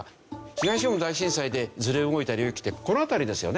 東日本大震災でずれ動いた領域ってこの辺りですよね。